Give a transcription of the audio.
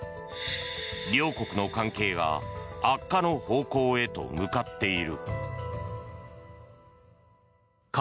両国の関係が悪化の方向へと向かっている。